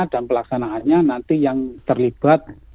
dan pelaksanaannya nanti yang terlibat